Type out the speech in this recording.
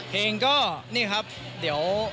เพลงก็นี่ครับเดี๋ยว